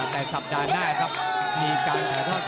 แต่สัปดาห์หน้าครับมีการถ่ายทอด